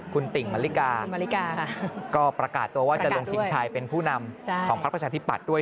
คุณติ่งมริกาก็ประกาศตัวว่าจะลงชิงชายเป็นผู้นำของพักประชาธิปัตย์ด้วย